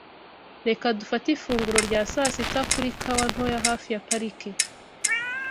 Reka dufate ifunguro rya saa sita kuri kawa ntoya hafi ya parike.